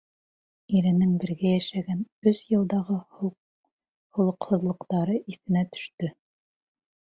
Иренең бергә йәшәгән өс йылдағы холоҡһоҙлоҡтары иҫенә төштө.